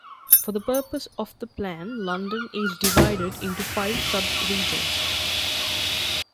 For the purposes of the plan, London is divided into five sub regions.